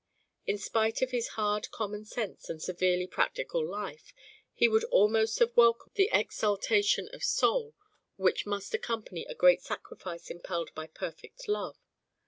In spite of his hard common sense and severely practical life he would almost have welcomed the exaltation of soul which must accompany a great sacrifice impelled by perfect love.